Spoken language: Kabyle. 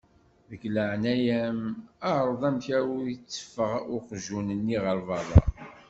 Deg leεnaya-m εreḍ amek ur iteffeɣ uqjun-nni ɣer berra.